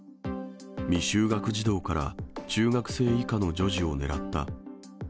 未就学児童から中学生以下の女児を狙った。